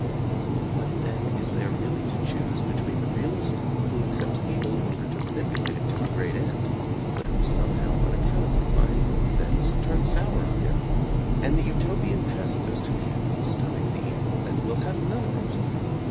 But what then is there really to choose between the realist who accepts evil in order to manipulate it to a great end, but who somehow unaccount ably finds events turn sour on him. and the Uto pian pacifist who cannot stomach the evil and will have none of it?